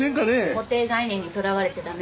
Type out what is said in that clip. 固定概念にとらわれちゃ駄目。